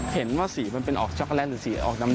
เห็นว่าสีมันเป็นออกช็อกโกแลตหรือสีออกดำ